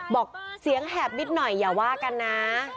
บอกเสียงแหบนิดหน่อยอย่าว่ากันนะ